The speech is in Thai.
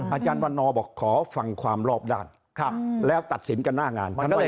อาจารย์วันนอบอกขอฟังความรอบด้านแล้วตัดสินกันหน้างาน